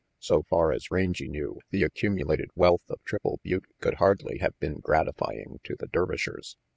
So far as Rangy knew, the accumulated wealth of Triple Butte could hardly have been gratifying to the Dervishers.